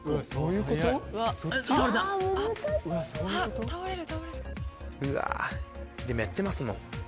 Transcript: うわでもやってますもん。